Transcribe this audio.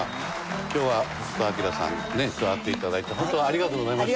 今日は北斗晶さんにね加わって頂いてホントありがとうございました。